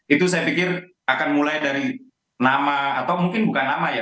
itu saya pikir akan mulai dari nama atau mungkin bukan nama ya